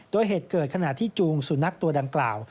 โดยเหตุเกิดขณะที่จูงสุนัขตัวดังกล่าว